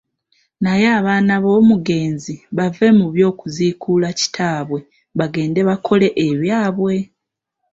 Naye abaana ab'omugenzi bave mu by'okuziikula kitaabwe bagende bakole ebyabwe.